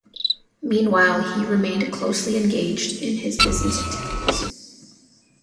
Meanwhile he remained closely engaged in his business activities.